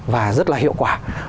và rất là hiệu quả